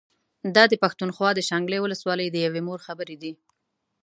دا د پښتونخوا د شانګلې ولسوالۍ د يوې مور خبرې دي